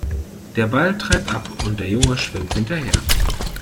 Der Ball treibt ab und der Junge schwimmt hinterher.